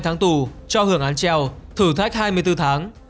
một mươi hai tháng tù cho hưởng án treo thử thách hai mươi bốn tháng